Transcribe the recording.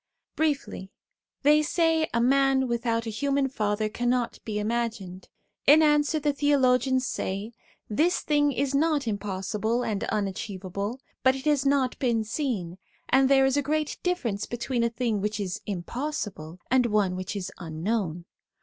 Briefly, they say a man without a human father can not be imagined. In answer the theologians say :' This thing is not impossible and unachievable, but it has not been seen; and there is a great difference between a thing which is impossible and one which is unknown.